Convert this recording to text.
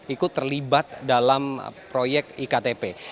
ikut terlibat dalam proyek iktp